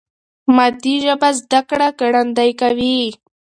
مادي ژبه زده کړه ګړندۍ کوي.